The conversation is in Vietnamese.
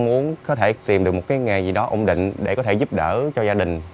mình có ước mơ và mong muốn tìm được một nghề gì đó ổn định để giúp đỡ cho gia đình